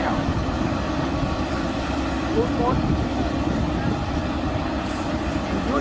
หรือว่าเกิดอะไรขึ้น